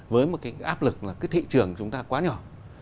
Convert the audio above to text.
với một cái áp lực là cái thị trường chúng ta quá nhỏ